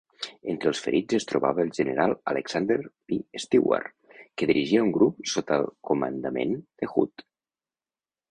Entre els ferits es trobava el general Alexander P. Stewart, que dirigia un grup sota el comandament de Hood.